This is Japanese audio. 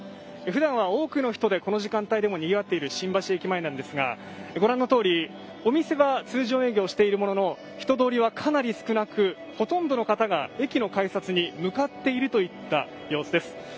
ふだんは多くの人でこの時間でもにぎわっている新橋駅前なんですが、ご覧のとおりお店は通常営業しているものの、人通りはかなり少なく、ほとんどの方が駅の改札に向かっているといった様子です。